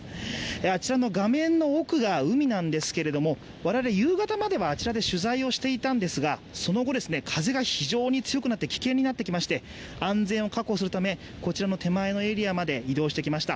あちらの画面の奥が海なんですけれども、我々夕方まではあちらで取材をしていたんですが、その後ですね風が非常に強くなって危険になってきまして安全を確保するためこちらの手前のエリアまで移動してきました。